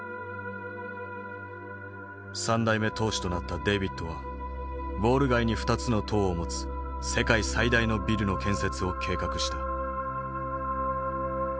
３代目当主となったデイビッドはウォール街に２つの棟を持つ世界最大のビルの建設を計画した。